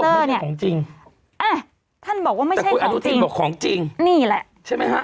เอ๊ะท่านบอกว่าไม่ใช่ของจริงนี่แหละใช่ไหมฮะ